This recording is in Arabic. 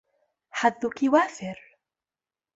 حظّكِ وافر.